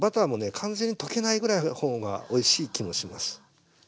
完全に溶けないぐらいの方がおいしい気もします。